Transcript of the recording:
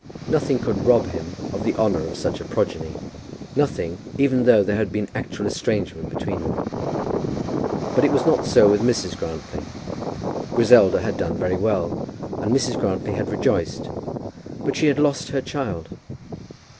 Nothing could rob him of the honour of such a progeny, nothing, even though there had been actual estrangement between them. But it was not so with Mrs. Grantly. Griselda had done very well, and Mrs. Grantly had rejoiced; but she had lost her child.